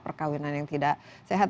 perkahwinan yang tidak sehat